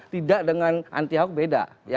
tidak dengan anti ahok beda